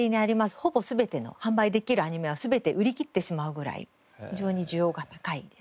ほぼ全ての販売できるアニメは全て売り切ってしまうぐらい非常に需要が高いです。